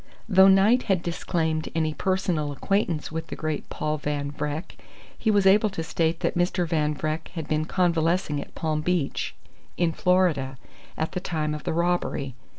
Though Knight had disclaimed any personal acquaintance with the great Paul Van Vreck, he was able to state that Mr. Van Vreck had been convalescing at Palm Beach, in Florida, at the time of the robbery.